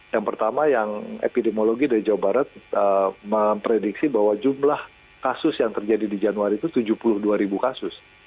yang pertama yang epidemiologi dari jawa barat memprediksi bahwa jumlah kasus yang terjadi di januari itu tujuh puluh dua ribu kasus